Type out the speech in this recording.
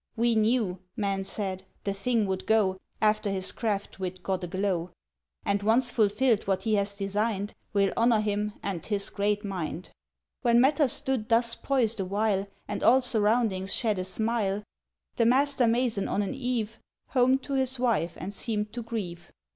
"We knew," men said, "the thing would go After his craft wit got aglow, "And, once fulfilled what he has designed, We'll honour him and his great mind!" When matters stood thus poised awhile, And all surroundings shed a smile, The master mason on an eve Homed to his wife and seemed to grieve ...